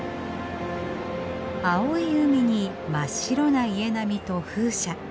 青い海に真っ白な家並みと風車。